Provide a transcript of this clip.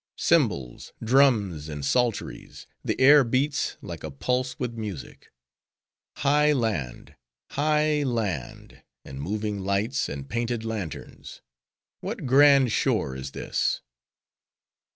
Cymbals, drums and psalteries! the air beats like a pulse with music! —High land! high land! and moving lights, and painted lanterns!—What grand shore is this?